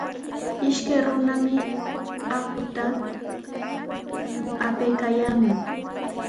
Ishkay runami aquta apaykaayaamun.